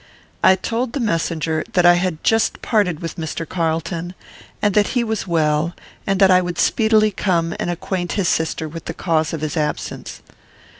I told the messenger that I had just parted with Mr. Carlton, that he was well, and that I would speedily come and acquaint his sister with the cause of his absence.